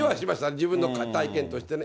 自分の体験としてね。